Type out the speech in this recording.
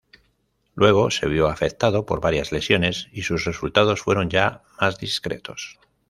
Luego se vio afectado por varias lesiones y sus resultados fueron ya más discretos.